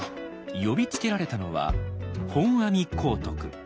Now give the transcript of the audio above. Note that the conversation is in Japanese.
呼びつけられたのは本阿弥光徳。